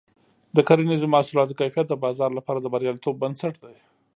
د کرنیزو محصولاتو کیفیت د بازار لپاره د بریالیتوب بنسټ دی.